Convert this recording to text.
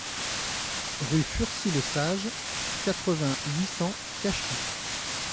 Rue Fursy Lesage, quatre-vingts, huit cents Cachy